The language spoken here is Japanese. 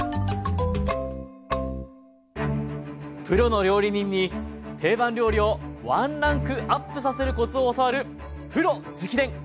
プロの料理人に定番料理をワンランクアップさせるコツを教わる「プロ直伝！」。